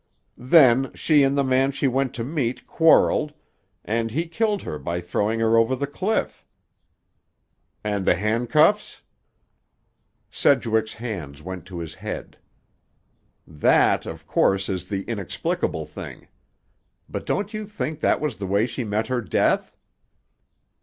Then she and the man she went to meet quarreled, and he killed her by throwing her over the cliff." "And the handcuffs?" Sedgwick's hands went to his head. "That, of course, is the inexplicable thing. But don't you think that was the way she met her death?"